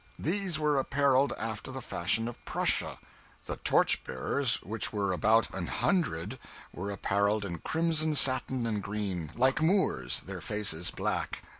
These were appareled after the fashion of Prussia. The torchbearers, which were about an hundred, were appareled in crimson satin and green, like Moors, their faces black.